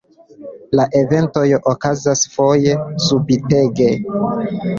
La eventoj okazas foje subitege.